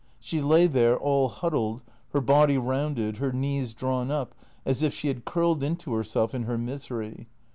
She lay there, all huddled, her body rounded, her knees drawn up as if she had curled into herself in her misery.